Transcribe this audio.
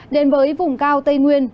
đến với vùng cao tây nguyên